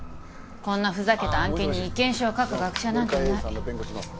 こんなふざけた案件に意見書を書く学者なんていない。